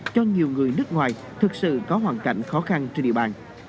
cho nhiều người nước ngoài thực sự có hoàn cảnh khó khăn trên địa bàn